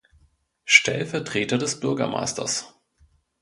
Stellvertreter des Bürgermeisters.